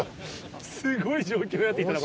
すごい状況になって来たな。